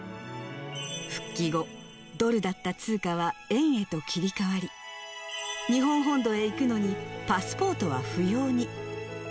復帰後、ドルだった通貨は円へと切り替わり、日本本土へ行くのにパスポートは不要に。